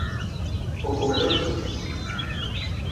O comedor de soños